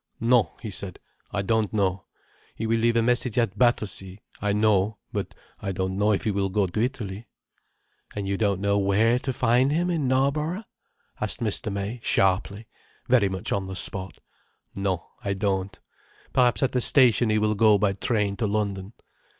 "No," he said. "I don't know. He will leave a message at Battersea, I know. But I don't know if he will go to Italy." "And you don't know where to find him in Knarborough?" asked Mr. May, sharply, very much on the spot. "No—I don't. Perhaps at the station he will go by train to London."